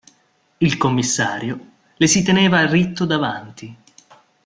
Il commissario, le si teneva ritto davanti.